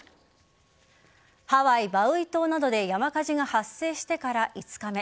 ハワイ・マウイ島などで山火事が発生してから５日目。